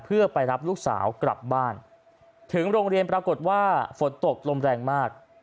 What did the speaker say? เพื่อไปรับลูกสาวกลับบ้านถึงโรงเรียนปรากฏว่าฝนตกลมแรงมาก